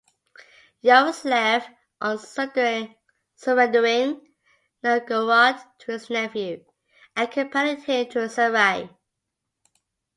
Yaroslav, on surrendering Novgorod to his nephew, accompanied him to Sarai.